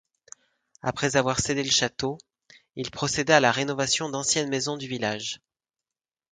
Après avoir cédé le château, il procéda à la rénovation d'anciennes maisons du village.